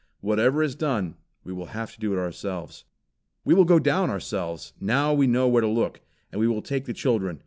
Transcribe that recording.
Whatever is done we will have to do ourselves." "We will go down ourselves, now we know where to look, and we will take the children.